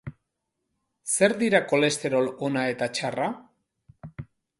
Zer dira kolesterol ona eta txarra?